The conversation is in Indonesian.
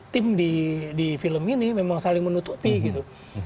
tim di film ini memang saling menutupi gitu